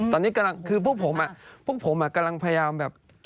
ตอนนี้กำลังคือพวกผมพวกผมกำลังพยายามแบบ